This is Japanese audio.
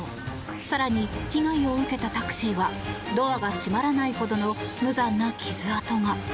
更に、被害を受けたタクシーはドアが閉まらないほどの無残な傷痕が。